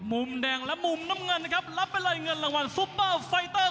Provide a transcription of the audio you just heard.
มุมแดงและมุมน้ำเงินนะครับรับไปเลยเงินรางวัลซุปเปอร์ไฟเตอร์